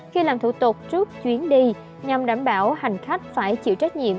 khi làm thủ tục trước chuyến đi nhằm đảm bảo hành khách phải chịu trách nhiệm